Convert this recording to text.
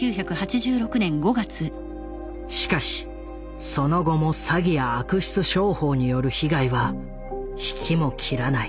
しかしその後も詐欺や悪質商法による被害は引きも切らない。